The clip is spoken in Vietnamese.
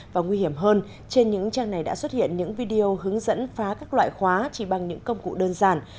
và nguy hiểm hơn trên những trang này đã xuất hiện những video hướng dẫn phá các loại khóa chỉ bằng những công cụ đơn giản